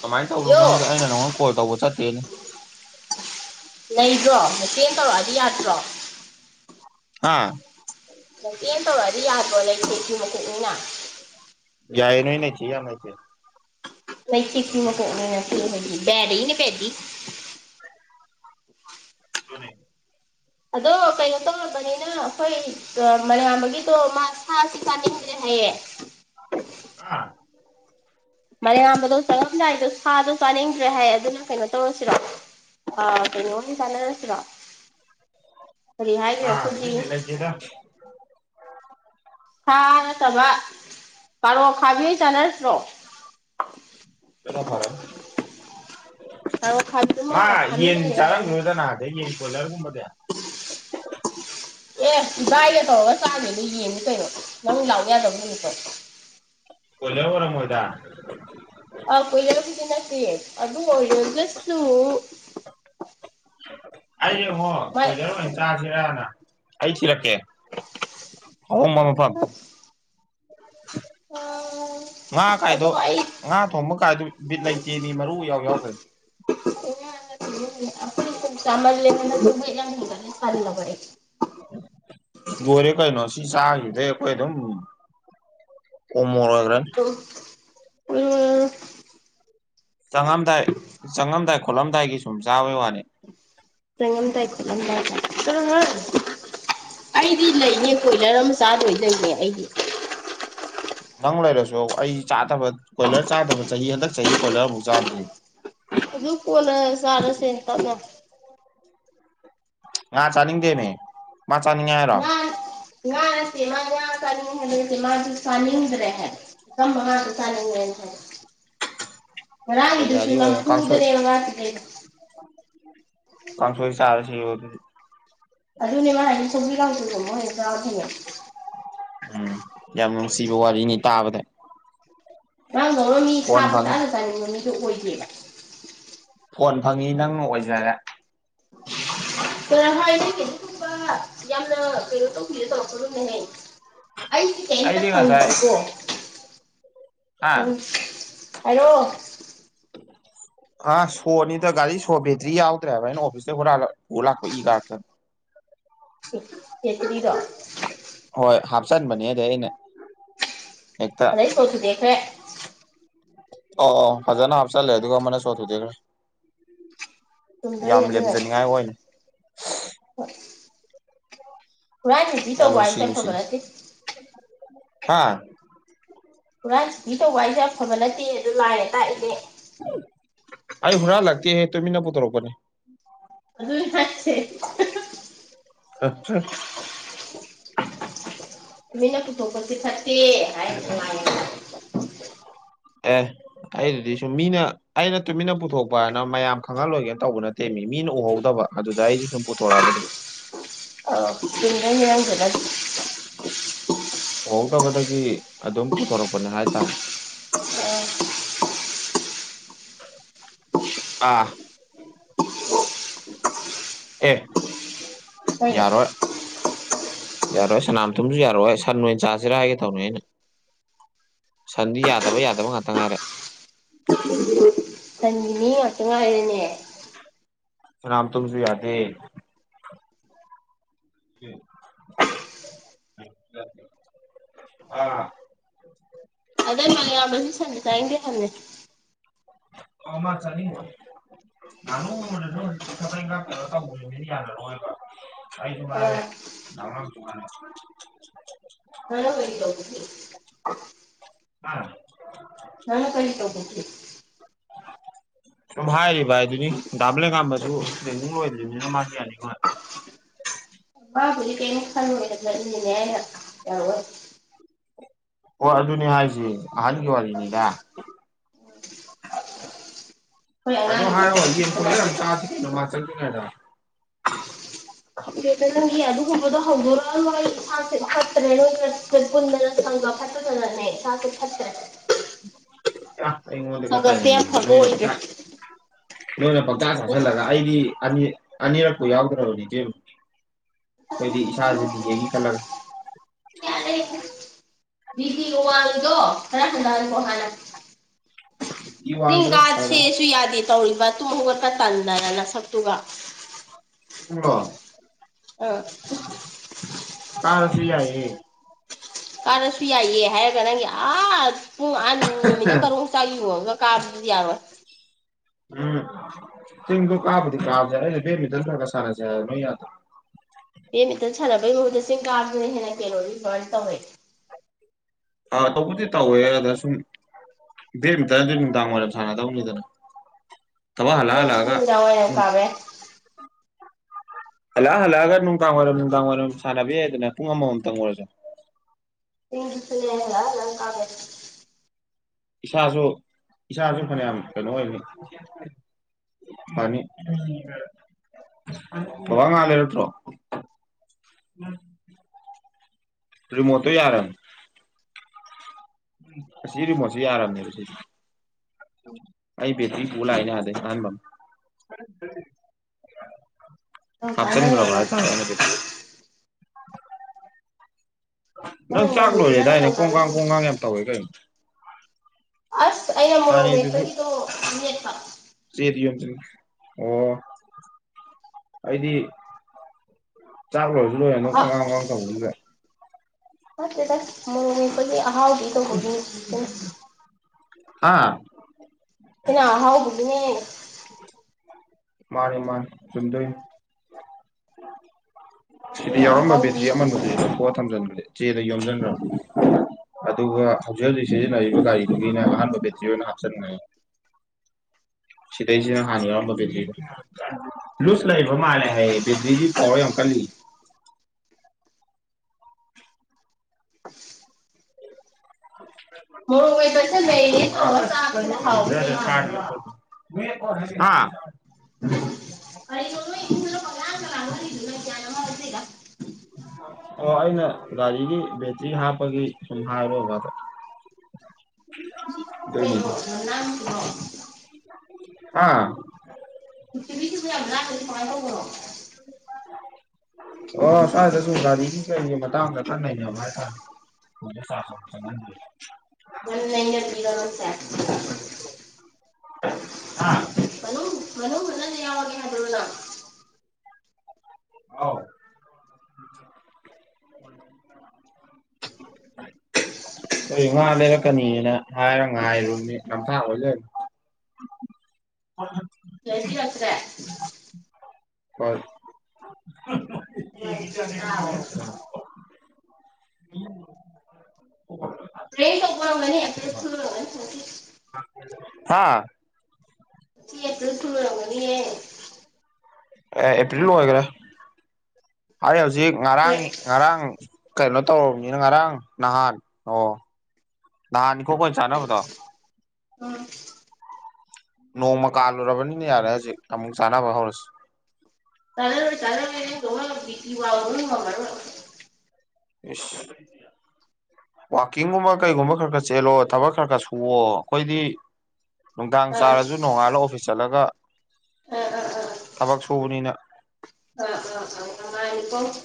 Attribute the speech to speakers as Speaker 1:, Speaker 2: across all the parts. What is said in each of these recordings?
Speaker 1: ꯀꯃꯥꯏꯅ ꯇꯧꯕꯅꯣ
Speaker 2: ꯌꯣ
Speaker 1: ꯈꯪꯗꯦ ꯑꯩꯅ ꯅꯪꯉꯣꯟ ꯀꯣꯜ ꯇꯧꯕ ꯆꯠꯇꯦꯅꯦ
Speaker 2: ꯂꯩꯕ꯭ꯔꯣ ꯃꯇꯦꯡ ꯇꯧꯔꯛꯑꯗꯤ ꯌꯥꯗ꯭ꯔꯣ
Speaker 1: ꯍꯥ
Speaker 2: ꯅꯆꯦꯅ ꯇꯧꯔꯛꯑꯗꯤ ꯌꯥꯗ꯭ꯔꯣ ꯂꯩ ꯈꯛꯀꯤ ꯃꯈꯣꯛꯅꯤꯅ
Speaker 1: ꯌꯥꯏꯅꯦ [unintelligible]
Speaker 2: ꯂꯩꯊꯦꯛꯄꯤ ꯃꯀꯣꯛꯅꯤ ꯅꯆꯦ ꯍꯣꯏꯗꯤ ꯕꯦꯗꯤꯅꯦ ꯕꯦꯗꯤ
Speaker 1: ꯑꯗꯨꯅꯤ
Speaker 2: ꯑꯗꯣ ꯀꯩꯅꯣ ꯇꯧꯔꯕꯅꯤꯅ ꯑꯩꯈꯣꯏ ꯃꯂꯦꯃꯉꯟꯕꯒꯤꯗꯣ ꯃꯥ ꯁꯥꯗꯤ ꯆꯅꯤꯡꯗꯔꯦ ꯍꯥꯏꯌꯦ
Speaker 1: ꯍꯥ
Speaker 2: ꯃꯂꯦꯝꯉꯥꯟꯕꯗꯣ ꯆꯪꯉꯝꯗꯥꯏꯗꯣ ꯁꯥꯗꯣ ꯆꯥꯅꯤꯡꯗ꯭ꯔꯦ ꯍꯥꯏ ꯑꯗꯨꯅ ꯀꯩꯅꯣ ꯇꯧꯔꯁꯤꯔꯣ ꯑꯥ ꯀꯩꯅꯣ ꯑꯝ ꯁꯥꯟꯅꯔꯁꯤꯔꯣ ꯀꯔꯤ ꯍꯥꯏꯒꯦ ꯑꯩꯈꯣꯏꯖꯤ
Speaker 1: ꯔ [unintelligible]
Speaker 2: ꯈꯥ ꯅꯠꯇꯕ ꯀꯥꯔꯣꯂ ꯑꯈꯥꯈꯕꯤ ꯑꯣꯏ ꯆꯥꯅꯔꯁꯤ꯭ꯔꯣ
Speaker 1: ꯑꯗꯨꯅ ꯐꯔꯥꯅꯤ
Speaker 2: ꯀꯥꯔꯣꯠ ꯑꯈꯥꯕꯤꯗꯨꯃ
Speaker 1: ꯃꯥ ꯌꯦꯟꯗꯤ
Speaker 2: ꯈꯥꯃꯤꯟꯅꯔꯦ ꯍꯥꯏꯌꯦ
Speaker 1: ꯆꯥꯔꯝꯈꯤꯔꯣꯏꯗ ꯅꯍꯟꯗꯩ ꯌꯦꯟ ꯀꯣꯏꯂꯔꯒꯨꯝꯕꯗꯤ
Speaker 2: ꯑꯦ ꯏꯕꯥꯏꯒ ꯇꯧꯔꯒ ꯆꯥꯒꯔꯕꯅꯦ ꯌꯦꯟꯗꯤ ꯀꯩꯅꯣ ꯅꯪ ꯂꯥꯛꯑꯣ ꯌꯥꯗꯕꯅꯤꯀꯣ
Speaker 1: ꯀꯣꯏꯂꯔ ꯑꯣꯏꯔꯝ ꯃꯣꯏꯗ
Speaker 2: ꯑꯥ ꯀꯣꯏꯂ꯭ꯔꯕꯨꯗꯤ ꯅꯠꯇꯦ ꯑꯗꯨ ꯑꯣꯏꯔꯒꯁꯨ
Speaker 1: ꯑꯩ ꯌꯦꯡꯉꯣ
Speaker 2: ꯃꯥꯏ
Speaker 1: ꯀꯣꯏꯂ꯭ꯔ ꯑꯣꯏꯅ ꯆꯥꯁꯤꯔꯥꯅ ꯑꯩ ꯊꯤꯔꯛꯀꯦ ꯑꯍꯣꯡꯕ ꯃꯐꯝ
Speaker 2: [unintelligible]
Speaker 1: ꯉꯥ
Speaker 2: ꯑꯗꯣ
Speaker 1: ꯀꯥꯏꯗꯣ
Speaker 2: ꯑꯩ
Speaker 1: ꯉꯥ ꯊꯣꯡꯕ ꯀꯥꯏꯗꯣ ꯕꯤꯠ ꯂꯩꯇꯦ ꯃꯤ ꯃꯔꯨ ꯏꯌꯥꯎ ꯌꯥꯎꯈꯩ
Speaker 2: [unintelligible]
Speaker 1: ꯂꯣꯏꯔꯦ ꯀꯩꯅꯣ ꯁꯤ ꯆꯥꯈꯤꯕꯗꯩ ꯑꯩꯈꯣꯏ ꯑꯗꯨꯝ ꯑꯣꯃꯣꯔ ꯑꯣꯏꯒꯔꯅꯤ
Speaker 2: [unintelligible]
Speaker 1: ꯆꯪꯉꯝꯗꯥꯏ ꯆꯪꯉꯝꯗꯥꯏ ꯈꯣꯠꯂꯝꯗꯥꯏꯒꯤ ꯁꯨꯝ ꯆꯥꯕꯩ ꯋꯥꯅꯤ
Speaker 2: ꯆꯪꯉꯝꯗꯥꯏ ꯈꯣꯠꯂꯝꯗꯥꯏꯒꯤ ꯆꯠꯂꯣꯍꯦ ꯑꯩꯗꯤ ꯂꯩꯅꯤ ꯀꯣꯏꯂꯔ ꯑꯃ ꯆꯥꯗꯣꯏ ꯂꯩꯅꯦ ꯑꯩꯗꯤ
Speaker 1: ꯅꯪ ꯂꯩꯔꯁꯨ ꯑꯩ ꯆꯥꯗꯕ ꯀꯣꯏꯂꯔ ꯆꯥꯗꯕ ꯆꯍꯤ ꯍꯟꯗꯛ ꯆꯍꯤ ꯀꯣꯏꯂꯔ ꯑꯃꯕꯎ ꯆꯥꯗ꯭ꯔꯤ
Speaker 2: ꯑꯗꯨ ꯀꯣꯟꯅ ꯆꯔꯁꯦ ꯇꯞꯅ
Speaker 1: ꯉꯥ ꯆꯥꯅꯤꯡꯗꯦꯃꯤ ꯃꯥ ꯆꯅꯤꯡꯉꯦ
Speaker 2: ꯉꯥ ꯉ ꯥꯅꯠꯇꯦ [unintelligible] ꯃꯥꯗꯤ ꯆꯅꯤꯡꯗꯔꯦ ꯍꯥꯏꯕ ꯑꯆꯝꯕ ꯉꯥꯛꯇ ꯆꯅꯤꯡꯉꯦꯅ ꯍꯥꯏꯕꯅꯦ ꯉꯔꯥꯡꯒꯤꯗꯨꯁꯨ
Speaker 1: ꯕꯣꯂꯤꯍꯔꯤ ꯑꯣꯏꯔ ꯀꯥꯡꯁꯣꯏ
Speaker 2: ꯅꯝꯐꯨꯗꯅꯕ ꯉꯥ ꯊꯤꯜꯂꯛꯏꯗꯣ
Speaker 1: ꯀꯥꯡꯁꯣꯏ ꯆꯥꯔꯁꯦꯌꯨ ꯑꯗꯨꯗꯤ
Speaker 2: ꯑꯗꯨꯅꯦ ꯃꯥ ꯍꯥꯏꯖꯦ ꯁꯧꯒꯔꯤ ꯀꯥꯡꯁꯣꯏ ꯊꯣꯡꯕ ꯑꯣꯏꯅ [unintelligible]
Speaker 1: ꯎꯝ ꯌꯥꯝ ꯅꯨꯡꯁꯤꯕ ꯋꯥꯔꯤꯅꯤ ꯇꯥꯕꯗ
Speaker 2: ꯅꯪꯗꯧꯅ ꯃꯤ ꯁꯥ
Speaker 1: ꯐꯣꯟ ꯐꯪꯉꯤ
Speaker 2: ꯄꯪꯆꯗ ꯆꯅꯤꯡꯕ ꯃꯤꯗꯣ ꯑꯣꯏꯗꯦꯕ
Speaker 1: ꯐꯣꯟ ꯐꯪꯉꯤ ꯅꯪꯅ ꯑꯣꯏꯖꯔꯦ
Speaker 2: [unintelligible] ꯌꯥꯝꯅ ꯀꯩꯅꯣ ꯇꯧꯕꯤꯔ ꯇꯧꯔꯛꯀꯅꯨꯅꯍꯦ ꯑꯩꯒꯤ ꯀꯔꯝꯇ
Speaker 1: ꯑꯩꯗꯤ ꯉꯁꯥꯏ
Speaker 2: ꯐꯪꯗꯔꯤꯀꯣ
Speaker 1: ꯍꯥ
Speaker 2: ꯎ ꯍꯥꯏꯔꯛꯑꯣ [inaudible]
Speaker 1: ꯑꯁ ꯁꯣꯅꯤꯗ ꯒꯥꯔꯤ ꯁꯣ ꯕꯦꯇ꯭ꯔꯤ ꯌꯥꯎꯗ꯭ꯔꯦ ꯍꯥꯏꯕ ꯑꯩꯅ ꯑꯣꯐꯤꯁꯇꯩ ꯍꯨꯔꯥꯜꯂ ꯄꯨꯂꯥꯛꯄ ꯏꯀꯥꯔꯛꯇꯅ
Speaker 2: ꯕꯦꯇ꯭ꯔꯤꯔꯣ
Speaker 1: ꯍꯣꯏ ꯍꯥꯞꯆꯟꯕꯅꯦ ꯑꯗ ꯑꯩꯅ ꯍꯦꯛꯇ
Speaker 2: ꯑꯩ ꯁꯣ ꯊꯨꯗꯦꯛꯈꯔꯦ
Speaker 1: ꯑꯣ ꯐꯖꯅ ꯍꯥꯞꯆꯜꯂꯦ ꯑꯗꯨꯒ ꯑꯃꯅ ꯁꯣ ꯊꯨꯗꯦꯛꯈꯔꯦ
Speaker 2: ꯆꯨꯝꯗꯣꯏꯅꯦ
Speaker 1: ꯌꯥꯝ
Speaker 2: ꯑꯗꯨꯅ
Speaker 1: ꯂꯦꯝꯖꯅꯤꯡꯉꯥꯏ ꯑꯣꯏ
Speaker 2: [unintelligible] [unintelligible]
Speaker 1: ꯌꯥꯝ ꯅꯨꯡꯁꯤ
Speaker 2: ꯐꯕ
Speaker 1: ꯅꯨꯡꯁꯤꯅ
Speaker 2: ꯅꯠꯇꯦ
Speaker 1: ꯍꯥ
Speaker 2: ꯍꯨꯔꯥꯟ ꯁꯨꯤ ꯇꯧꯕ ꯍꯥꯏꯁꯦ ꯑꯐꯕ ꯅꯠꯇꯦ ꯑꯗꯨ ꯂꯥꯏꯅ ꯇꯥꯛꯏꯅꯦ
Speaker 1: ꯑꯩ ꯍꯨꯨꯔꯜ ꯂꯥꯛꯇꯦꯍꯦ ꯇꯨꯃꯤꯟꯅ ꯄꯨꯊꯣꯔꯛꯄꯅꯦ
Speaker 2: ꯑꯗꯨꯅꯦ ꯍꯥꯏꯖꯦ
Speaker 1: [unintelligible]
Speaker 2: ꯇꯨꯃꯤꯟꯅ ꯄꯨꯊꯣꯛꯄ ꯐꯠꯇꯦ [unintelligible]
Speaker 1: ꯑꯦ ꯑꯩꯗꯨꯗꯤ ꯁꯨꯝ ꯃꯤꯅ ꯑꯩꯅ ꯇꯨꯃꯤꯟꯅ ꯄꯨꯊꯣꯛꯄꯅ ꯃꯌꯥꯝ ꯈꯪꯍꯜꯂꯣꯏꯒꯦꯅ ꯇꯧꯕ ꯅꯠꯇꯦ ꯇꯃꯤ ꯃꯤꯅ ꯎꯍꯧꯗꯕ ꯑꯗꯨꯗ ꯑꯩꯁꯨ ꯁꯨꯝ ꯄꯨꯊꯣꯔꯛꯑꯕ ꯑꯗꯨꯝ
Speaker 2: [unintelligible]
Speaker 1: ꯑꯍꯧꯗꯕꯗꯒꯤ ꯑꯗꯨꯝ ꯄꯨꯊꯣꯔꯛꯄꯅꯦ ꯍꯥꯏꯇꯥꯔꯦ
Speaker 2: [unintelligible]
Speaker 1: ꯑꯥ ꯑꯦ
Speaker 2: ꯀꯩꯅꯣ
Speaker 1: ꯌꯥꯔꯣꯏ ꯌꯥꯔꯣꯏ ꯁꯅꯥ ꯝꯊꯨꯝ ꯁꯨ ꯌꯥꯔꯣꯏ ꯁꯟ ꯅꯣꯏꯟ ꯆꯥꯁꯤꯔꯥ ꯍꯥꯏꯒꯦ ꯇꯧꯕꯅꯦ ꯑꯩꯅ ꯁꯟꯗꯤ ꯌꯥꯗꯕ ꯌꯥꯗꯕ ꯉꯥꯛꯇ ꯉꯥꯏꯔꯦ
Speaker 2: ꯇꯒꯅꯤ [unintelligible] ꯄꯆꯉ ꯍꯥꯏꯅꯦꯦ [unintelligible]
Speaker 1: ꯉꯥꯔꯥꯡ ꯇꯝꯕꯥꯁꯨ ꯌꯥꯗꯦ ꯎꯝ ꯑ [unintelligible]
Speaker 2: ꯑꯗ ꯃꯥ ꯌꯥꯝ [unintelligible]
Speaker 1: ꯑꯃ ꯆꯅꯤꯉ [unintelligible] ꯂꯅ ꯃ ꯁꯄ ꯃ ꯌꯥꯗꯔꯕ [unintelligible] ꯑꯩꯖꯨ ꯉꯥꯏꯔꯦ
Speaker 2: ꯑꯥ
Speaker 1: ꯑꯃꯖꯨ ꯉꯏꯔꯦ
Speaker 2: ꯍ ꯍꯩ ꯇꯕꯨ [unintelligible]
Speaker 1: [unintelligible] ꯑꯥ
Speaker 2: ꯅꯣꯅ ꯀꯔꯤ ꯇꯧꯕꯒꯤ
Speaker 1: ꯁꯨꯝ ꯍꯥꯏꯔꯤꯕ ꯍꯥꯏꯗꯨꯅꯤ ꯗꯥꯕ ꯂꯩꯦꯟꯒꯥꯝꯕꯁꯨ ꯇ꯭ꯔꯦꯅꯤꯡ ꯂꯣꯏꯗ꯭ꯔꯤꯅꯤꯅ ꯃꯥꯁꯨ ꯌꯥꯅꯤ
Speaker 2: ꯍꯕꯨꯂꯤ ꯀ [unintelligible] ꯐꯜ ꯑꯣꯏꯔꯅꯦꯅ [unintelligible] ꯌꯥꯔꯣꯏ
Speaker 1: ꯍꯣꯏ ꯑꯗꯨꯅꯦ ꯍꯥꯏꯁ ꯑꯍꯟꯒꯤ ꯋꯥꯔꯤꯅꯤꯗ
Speaker 2: ꯑꯩꯈꯣꯏ
Speaker 1: ꯀꯩꯅꯣ
Speaker 2: ꯑꯉꯥꯡꯒꯤꯗꯤ
Speaker 1: ꯍꯥꯏꯌ
Speaker 2: ꯀꯔꯤꯁꯨ
Speaker 1: ꯌꯦꯟ ꯈꯣꯟꯂ
Speaker 2: ꯈꯟꯅꯗꯦ
Speaker 1: ꯒꯨꯃꯕ ꯆꯥꯁꯤ ꯀꯩꯅꯣ ꯃꯥ ꯆꯠꯇ꯭ꯔꯤꯉꯩꯗ
Speaker 2: ꯅꯪꯒꯤ ꯑꯗꯨꯒꯨꯝꯕꯗꯣ ꯍꯧꯗꯣꯔꯛ ꯂꯣꯏ ꯍꯥꯠꯇ꯭ꯔꯦ ꯅꯣꯏꯨꯟꯗꯅꯪ ꯐꯠꯇ ꯁꯥꯠ ꯐ [unintelligible]
Speaker 1: ꯑꯩꯉꯣꯟꯗ ꯀ ꯇꯥꯏꯅ
Speaker 2: ꯍꯪꯒꯠꯁꯦ
Speaker 1: ꯑꯩ
Speaker 2: ꯌꯥꯝ ꯐꯕ
Speaker 1: ꯅꯣꯏꯅꯕꯨ
Speaker 2: ꯑꯣꯏꯗ꯭ꯔꯦ
Speaker 1: ꯅꯣꯏꯅ ꯄꯪꯡꯆꯥ ꯆꯥꯁꯤꯜꯂꯒ ꯑꯩꯗꯤ ꯑꯅꯤ ꯑꯅꯤꯔꯛꯄꯨ ꯌꯥꯎꯗ꯭ꯔꯕ ꯏꯆꯦꯝ ꯑꯩꯈꯣꯏꯗꯤ ꯏꯁꯥꯁꯤ ꯌꯦꯒꯤ ꯈꯜꯂꯥꯒꯥ
Speaker 2: ꯌꯥꯔꯦ ꯕꯤꯄꯤ ꯋꯥꯡ ꯏꯗꯣ ꯈ꯭ꯔꯥ ꯍꯟꯗꯍꯟꯒꯣ ꯍꯥꯟꯅ
Speaker 1: ꯏ ꯋꯥꯡꯗ꯭ꯔꯦ
Speaker 2: ꯆꯤꯡꯀꯥ
Speaker 1: ꯐꯒ꯭ꯔꯦ
Speaker 2: ꯁꯦꯁꯨ ꯌꯥꯗꯦ ꯇꯧꯔꯤꯕ ꯇꯨꯝ ꯍꯧꯒꯠꯄ ꯇꯟꯗꯅ ꯅꯁꯛꯇꯨꯒ
Speaker 1: ꯅꯪꯂꯣ
Speaker 2: ꯑꯥ
Speaker 1: ꯀꯥꯔꯁꯨ ꯌꯥꯏꯌꯦ
Speaker 2: ꯀꯥꯔꯥꯁꯨ ꯌꯥꯏꯌꯦ ꯍꯥꯏꯔꯒ ꯅꯪꯒꯤ ꯑꯥ ꯄꯨꯡ ꯑ ꯅꯨꯃꯤꯠꯅ ꯀꯔꯣꯡ ꯆꯥꯛ ꯌꯨꯡꯉꯒ ꯀꯥꯕꯗꯨꯗꯤ ꯌꯥꯔꯣꯏ
Speaker 1: ꯎꯝ ꯆꯤꯡꯗꯣ ꯀꯥꯕꯨꯗꯤ ꯀꯥꯕꯅꯦ ꯑꯩꯅ ꯕꯦꯗꯃꯤꯟꯇꯟ ꯈꯔꯥ ꯈꯔꯥ ꯁꯅꯥꯁꯦ ꯍꯥꯏ ꯅꯣꯏ ꯌꯥꯗꯦ
Speaker 2: ꯕꯦꯗꯃꯤꯟꯇꯟ ꯁꯥꯟꯅꯕꯩ ꯃꯍꯨꯠꯇ ꯆꯤꯡ ꯀꯥꯕꯗꯨꯅ ꯍꯦꯟꯅ ꯀꯦꯂꯣꯔꯤ ꯚꯔꯟ ꯇꯧꯋꯦ
Speaker 1: ꯑꯥ ꯇꯧꯕꯨꯗꯤ ꯇꯧꯋꯦ ꯑꯗ ꯁꯨꯝ ꯕꯦꯗꯃꯤꯟꯇꯟ ꯗꯤ ꯅꯨꯡꯗꯥꯡ ꯋꯥꯏꯔꯝ ꯁꯅꯥꯗꯧ ꯅꯤꯗꯅ ꯊꯕꯛ ꯍꯜꯂ ꯍꯜꯂꯛ
Speaker 2: ꯆꯤꯡꯗꯨꯁꯨ
Speaker 1: ꯑꯒ
Speaker 2: ꯅꯨꯃꯤꯗꯥꯡ ꯋꯥꯏꯔꯝ
Speaker 1: ꯎꯝ
Speaker 2: ꯀꯥꯕ ꯌꯥꯏ
Speaker 1: ꯍꯜꯂ ꯍꯜꯂꯑꯒ ꯅꯨꯡꯗꯥꯡ ꯋꯥꯏꯔꯝ ꯅꯨꯡꯗꯥꯡ ꯋꯥꯏꯔꯝ ꯁꯥꯟꯅꯕ ꯌꯥꯏꯗꯅ ꯄꯨꯡ ꯑꯃꯃꯝꯇꯪ ꯑꯣꯏꯔꯁꯨ
Speaker 2: [unintelligible]
Speaker 1: ꯏꯁꯥꯁꯨ ꯏꯁꯥꯁꯨ ꯐꯅꯌꯥꯝ ꯀꯩꯅꯣ ꯑꯣꯏꯅꯤ ꯐꯅꯤ ꯕꯥꯕ ꯉꯥ ꯂꯩꯔꯛ ꯇ꯭ꯔꯣ ꯔꯤꯃꯣꯠ ꯇꯣ ꯌꯥꯔꯝꯅꯦ ꯑꯁꯤ ꯔꯦꯃꯣꯠ ꯁꯦ ꯌꯥꯔꯕꯅꯦ ꯍꯧꯖꯤꯛ ꯁꯦ ꯑꯩ ꯕꯦꯇ꯭ꯔꯤ ꯄꯨ ꯂꯛ ꯏ ꯅꯦ ꯑꯗꯩ ꯑꯍꯥꯟꯕ ꯑꯃ
Speaker 2: ꯌꯥꯝ
Speaker 1: ꯍꯥꯞꯆꯥꯟ
Speaker 2: ꯀꯥꯟꯅꯩ
Speaker 1: ꯈꯔ꯭ꯕ
Speaker 2: ꯌꯥꯝꯅ
Speaker 1: ꯍꯥꯏ ꯇꯔꯦ ꯑꯩꯅ ꯕꯦꯇꯔ꯭ꯤ ꯅꯪ ꯆꯥꯛ
Speaker 2: ꯃꯍꯤꯟꯗ꯭ꯔꯅ
Speaker 1: ꯂꯣꯏꯔꯦꯗꯥꯏꯅꯦ
Speaker 2: ꯌꯥꯝ
Speaker 1: ꯀꯣꯡ ꯀꯥꯡ
Speaker 2: ꯀꯥꯟꯅꯍꯟ
Speaker 1: ꯀꯣꯡꯒꯥꯡ ꯌꯥꯝ ꯇꯧꯋꯦ ꯀꯩꯅꯣ
Speaker 2: ꯑꯁ ꯑꯩꯅ ꯃꯣꯔꯣꯡ
Speaker 1: ꯍꯥꯟꯅꯩꯗꯨꯁꯨ
Speaker 2: ꯃꯦꯄꯒꯤꯗꯣ ꯃꯦꯠꯄ
Speaker 1: ꯆꯦꯗꯤ ꯌꯣꯝꯖꯤꯟ ꯑꯣ ꯑꯗꯤ ꯆꯥꯛ ꯂꯣꯏꯔꯁꯨ ꯂꯣꯏꯔꯅꯨ ꯀꯣꯡ ꯀꯥꯡ ꯇꯧꯕꯗꯨꯗ
Speaker 2: ꯅꯥꯠꯇꯦꯗꯥ ꯃꯣꯔꯣꯛ ꯃꯦꯠꯄꯒꯤ ꯑꯍꯥꯎꯕꯤ ꯇꯧꯕꯒꯤ
Speaker 1: ꯍꯥꯥ
Speaker 2: ꯁꯤꯅꯥ ꯑꯥꯍꯥꯎꯕꯒꯅꯦ
Speaker 1: ꯃꯥꯅꯤ ꯃꯥꯅꯤ ꯆꯨꯝꯗꯣꯏꯅꯤ ꯁꯤꯗꯤ
Speaker 2: ꯁꯤꯅ
Speaker 1: ꯌꯥꯎꯔꯝꯕ
Speaker 2: ꯑꯍꯥꯎꯕꯤ
Speaker 1: ꯕꯦꯇ꯭ꯔꯤ ꯑꯃꯟꯕꯗꯨꯗꯤ ꯂꯧꯊꯣꯛ ꯑꯥ ꯊꯝꯖꯤꯟꯈ꯭ꯔꯦ ꯆꯦꯗ ꯌꯣꯝꯁꯤꯟꯈ꯭ꯔꯕ ꯑꯗꯨꯒ ꯍꯧꯖꯤꯛ ꯍꯧꯖꯤꯛ ꯁꯤꯖꯤꯟꯅꯔꯤꯕ ꯒꯥꯔꯤꯗꯨꯒꯤꯅ ꯑꯍꯥꯟꯕ ꯕꯦꯇ꯭ꯔꯤ ꯑꯣꯏꯅ ꯍꯥꯞꯆꯟꯕꯦ ꯁꯤꯗꯩꯁꯤꯅ ꯍꯥꯟꯅ ꯌꯥꯎꯔꯝꯕ ꯕꯦꯇ꯭ꯔꯤ ꯂꯨꯁ ꯂꯩꯕ ꯃꯥꯜꯂꯦ ꯍꯥꯏꯌꯦ ꯕꯦꯇ꯭ꯔꯤꯗꯤ ꯄꯣꯏꯔ ꯌꯥꯝ ꯀꯜꯂꯤꯌꯦ
Speaker 2: ꯃꯣꯔꯣꯛ ꯃꯦꯠꯄꯁꯦ ꯃꯦꯔꯤꯅꯦꯠ ꯇꯧꯔꯒ ꯆꯥꯕꯁꯤꯅ ꯍꯥꯎꯕ
Speaker 1: ꯑꯗꯗ
Speaker 2: ꯍꯦꯜꯂꯤ
Speaker 1: [unintelligible] ꯍꯥꯥ
Speaker 2: ꯑ ꯀ [unintelligible]
Speaker 1: ꯑꯣ ꯑꯩꯅ ꯒꯥꯔꯤꯒꯤ ꯕꯦꯇ꯭ꯔꯤ ꯍꯥꯞꯄꯒꯤ ꯁꯨꯝ ꯍꯥꯏꯕ ꯕꯥꯕꯗꯥ
Speaker 2: ꯅꯅꯥꯝ ꯀꯃꯣ [unintelligible]
Speaker 1: ꯑꯥ
Speaker 2: ꯁꯨ [unintelligible]
Speaker 1: ꯎ [inaudible] ꯑꯣ ꯁ꯭ꯋꯥꯏꯗꯁꯨ ꯒꯥꯔꯤꯒꯤ ꯀꯩꯒꯤ ꯃꯇꯥꯡꯗ ꯈꯟꯅ ꯅꯩꯅꯕ ꯍꯥꯏꯇꯥꯔꯦ ꯐꯣꯟ ꯁꯦ ꯆꯥꯔꯖꯁ ꯑꯃꯨꯛ ꯆꯪꯂꯝꯗꯔ꯭ꯦ
Speaker 2: ꯅꯦ [unintelligible]
Speaker 1: ꯑ
Speaker 2: ꯃꯅꯨꯡ ꯃꯅꯨꯡꯍꯨꯠꯅꯗ ꯌꯥꯎꯔꯒꯦ ꯍꯥꯏꯕꯔꯣ ꯅꯪ
Speaker 1: ꯑꯥꯎ
Speaker 2: [inaudible]
Speaker 1: ꯍꯣꯏ ꯉꯥ ꯂꯩꯔꯛꯀꯅꯤꯅ ꯍꯥꯏꯔꯒ ꯉꯥꯏꯔꯨꯅꯦ ꯅꯝꯊꯥꯡ ꯂꯣꯏ ꯂꯩꯔꯝꯃꯦ ꯑꯣ [unintelligible]
Speaker 2: ꯂꯩꯕꯤꯔꯛꯇꯔꯦ
Speaker 1: ꯍꯣꯢ
Speaker 2: ꯅꯨꯡꯉꯥꯏꯇꯦ ꯇꯥꯕꯗ
Speaker 1: ꯑꯣ [inaudible]
Speaker 2: ꯦꯒꯅꯤꯦꯁꯨ [inaudible]
Speaker 1: ꯍꯥꯥ
Speaker 2: ꯀꯤ [inaudible] ꯑꯗꯨ ꯊꯒꯅꯤꯌꯦ
Speaker 1: ꯑꯦ ꯑꯦꯄ꯭ꯔꯤꯜ ꯂꯣꯏꯒ꯭ꯔꯦ ꯑꯩ ꯍꯧꯖꯤꯛ ꯉꯔꯥꯡ
Speaker 2: ꯄ꯭ꯔꯦꯡ
Speaker 1: ꯉꯔꯥꯡ ꯀꯩꯅꯣ ꯇꯧꯔꯕꯅꯤꯅ ꯉꯔꯥꯡ ꯅꯍꯥꯟ ꯑꯣ ꯅꯍꯥꯟꯅꯤꯒꯣ ꯑꯩꯈꯣꯢꯅ ꯆꯥꯅꯕꯗꯣ
Speaker 2: ꯎꯝ
Speaker 1: ꯅꯣꯡꯃ ꯀꯥꯜꯂꯨꯔꯕꯅꯤꯅ ꯌꯥꯔꯦ ꯍꯧꯖꯤꯛ ꯑꯃꯨꯛ ꯆꯥꯅꯕ ꯍꯧꯔꯁꯤ
Speaker 2: ꯇꯔꯣ ꯇꯔ ꯂꯩꯔ [inaudible] ꯇꯣꯂ ꯇꯤ ꯋꯥ ꯋꯥ ꯃ
Speaker 1: ꯏꯁ ꯋꯥꯛꯀꯤꯡꯒꯨꯝꯕ ꯀꯩꯒꯨꯝꯕ ꯈꯔ ꯈꯔ ꯆꯦꯜꯂꯣ ꯊꯕꯛ ꯈꯔ ꯈꯔ ꯁꯨꯑꯣ ꯑꯩꯈꯣꯏꯗꯤ ꯅꯨꯡꯗꯥꯡ
Speaker 2: ꯑꯥ
Speaker 1: ꯆꯥꯔꯁꯨ ꯅꯣꯡꯉꯥꯜꯂꯒ ꯑꯣꯐꯤꯁ ꯆꯠꯂꯒ
Speaker 2: ꯑꯥ ꯑꯥ
Speaker 1: ꯊꯕꯛ ꯁꯨꯕꯅꯤꯅ
Speaker 2: ꯑ ꯑ [inaudible] ꯀꯅꯤꯄꯣ [inaudible]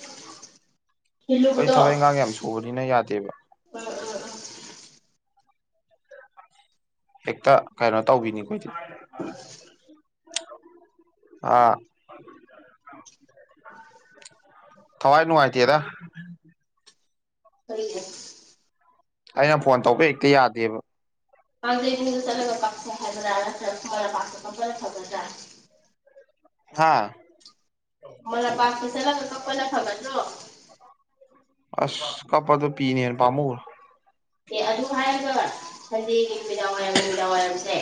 Speaker 1: ꯑꯩꯈꯣꯏ ꯊꯕꯛ ꯏꯪꯈꯥꯡ ꯌꯥꯝ ꯁꯨꯕꯅꯤꯅ ꯌꯥꯗꯦꯕ
Speaker 2: ꯎꯝ ꯎꯝ ꯎꯝ
Speaker 1: ꯍꯦꯛꯇ ꯀꯩꯅꯣ ꯇꯧꯕꯤꯅꯤ ꯑꯩꯈꯣꯏꯗꯤ ꯑꯥ ꯊꯋꯥꯏ ꯅꯨꯡꯉꯥꯏꯇꯦꯗ
Speaker 2: ꯀꯩꯒꯤ
Speaker 1: ꯑꯩꯅ ꯐꯣꯟ ꯇꯧꯕ ꯍꯦꯛꯇ ꯌꯥꯗꯦꯕ
Speaker 2: ꯀꯪꯖꯩꯄꯨꯡꯗ ꯆꯠꯂꯒ ꯀꯥꯞꯁꯦ ꯍꯥꯏꯕꯔꯥ ꯅꯠꯇ꯭ꯔꯒ ꯈꯨꯃꯥꯜꯂꯥꯝꯄꯥꯛꯇ ꯀꯥꯞꯄꯅ ꯐꯒꯗ꯭ꯔꯥ
Speaker 1: ꯍꯥꯥ
Speaker 2: ꯈꯨꯃꯥꯜ ꯂꯥꯝꯄꯥꯛꯇ ꯆꯠꯂꯒ ꯀꯥꯞꯄꯅ ꯐꯥꯒꯗꯔꯣ
Speaker 1: ꯑꯁ ꯀꯞꯄꯗꯣ ꯄꯤꯅ ꯍꯦꯟꯅ ꯄꯥꯃꯨꯢ
Speaker 2: ꯑꯦ ꯑꯗꯨ ꯍꯥꯏꯔꯒ ꯁꯟꯗꯦꯒꯤ ꯅꯨꯃꯤꯗꯥꯡ ꯋꯥꯏꯔꯝ ꯅꯨꯃꯤꯗꯥꯡ ꯋꯥꯏꯔꯝꯁꯦ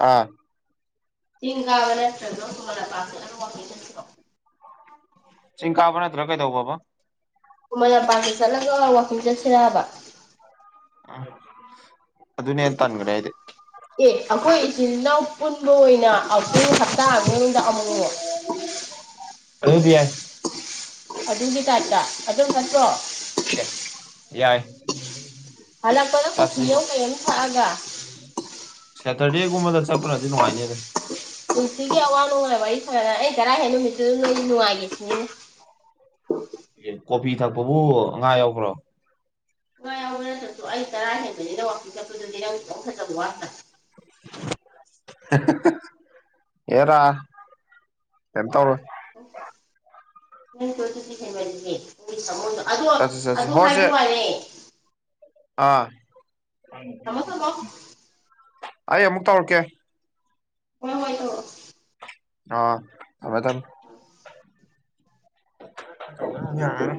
Speaker 1: ꯑ
Speaker 2: ꯆꯤꯡꯒꯥꯕ ꯅꯠꯇ꯭ꯔꯂ ꯈꯨꯃꯥꯜꯂꯥꯝꯄꯥꯛꯇ ꯋꯥꯛꯀꯤꯡ ꯆꯠꯁꯤꯔꯣ
Speaker 1: ꯆꯤꯡꯀꯥꯕ ꯅꯠꯇ꯭ꯔ ꯀꯩꯗꯧꯕꯕꯥ
Speaker 2: ꯈꯨꯃꯥꯜꯂꯥꯝꯄꯥꯛꯇ ꯆꯠꯂꯒ ꯋꯥꯥꯛꯀꯤꯡ ꯆꯠꯁꯤꯔꯕ
Speaker 1: ꯑꯗꯨꯅꯦ ꯍꯦꯟꯅ ꯇꯥꯟꯒꯔꯦ ꯑꯩꯗꯤ
Speaker 2: ꯑꯦ ꯑꯩꯈꯣꯏ ꯏꯆꯤꯜ ꯏꯅꯥꯎ ꯄꯨꯟꯕ ꯑꯣꯏꯅ ꯑ [inaudible] ꯇ ꯍꯥꯠꯇ ꯑꯉꯗꯉ
Speaker 1: ꯑꯗꯨꯗꯤ ꯌꯥꯏ
Speaker 2: ꯑꯗꯨꯒꯤ ꯇꯥꯏꯞꯇ ꯑꯗꯨꯅ ꯐꯠꯇ꯭ꯔꯣ
Speaker 1: ꯌꯥꯏ
Speaker 2: ꯍꯥꯜꯂꯛꯄꯗ ꯀꯣꯐꯤ
Speaker 1: ꯆꯠꯁꯤ
Speaker 2: ꯑꯃ ꯐꯖꯅꯥ ꯊꯥꯛꯑꯒ
Speaker 1: ꯁꯦꯇꯔꯗꯦꯒꯨꯝ ꯆꯠꯄꯅꯗꯤ ꯅꯨꯡꯉꯥꯏꯅꯤ ꯑꯗꯨ
Speaker 2: ꯄꯨꯟꯁꯤꯒꯤ ꯑꯋꯥ ꯅꯨꯡꯉꯥꯏ ꯋꯥꯔꯤ ꯁꯅꯔ ꯑꯩ ꯆꯔꯥ ꯍꯦꯛ ꯅꯨꯃꯤꯠꯇꯨꯗ ꯅꯣꯏ ꯅꯨꯡꯉꯥꯏꯒꯦꯁꯤꯅꯦ
Speaker 1: ꯐꯦ ꯀꯣꯐꯤ ꯊꯛꯄꯕꯨ ꯉꯥ ꯌꯎꯈ꯭ꯔꯣ
Speaker 2: ꯉꯥ ꯌꯥꯎꯕ ꯅꯠꯇꯔꯥꯁꯨ ꯑꯩꯅ ꯆꯥꯔꯥ ꯍꯦꯟꯕꯅꯤꯅ ꯋꯥꯛꯀꯤꯡ ꯆꯠꯄꯗꯨꯗꯤ ꯈꯤꯇꯪ ꯐꯖꯕ ꯋꯥꯠꯇꯔꯥ
Speaker 1: ꯍꯦꯔꯥ ꯀꯦꯝ ꯇꯧꯔꯣꯢ
Speaker 2: ꯆꯊꯁꯤꯁꯔꯤ [inaudible] ꯅꯣꯢ ꯊꯥꯃꯣꯏꯗꯣ ꯑꯗꯣ
Speaker 1: ꯆꯠꯁꯤ ꯆꯠꯁꯤ
Speaker 2: ꯑꯗꯨ
Speaker 1: ꯍꯣ
Speaker 2: ꯍꯥꯏꯕ
Speaker 1: ꯆꯦ
Speaker 2: ꯋꯥꯅꯦ
Speaker 1: ꯑꯥ
Speaker 2: ꯊꯝꯃꯣ ꯊꯝꯃꯣ
Speaker 1: ꯑꯩ ꯑꯃꯨꯛ ꯇꯧꯔꯛꯀꯦ
Speaker 2: ꯍꯣꯏ ꯍꯣꯏ ꯇꯧꯔꯛꯑꯣ
Speaker 1: ꯑ ꯑꯗꯝ [inaudible] ꯌꯥ [inaudible]